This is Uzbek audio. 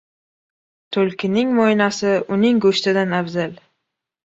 • Tulkining mo‘ynasi uning go‘shtidan afzal.